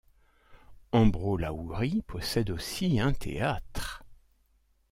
Ambrolaouri possède aussi un théâtre.